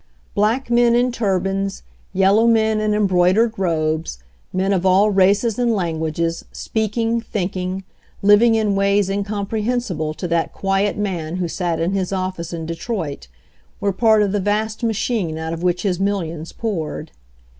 Black men in turbans, yellow men in embroidered robes, men of all races and languages, speaking, think ing, living in ways incomprehensible to that quiet man who sat in his office in Detroit, were part of the vast machine out of which his millions poured.